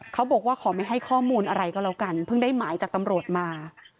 เขาบอกว่าขอไม่ให้ข้อมูลอะไรก็แล้วกันเพิ่งได้หมายจากตำรวจมา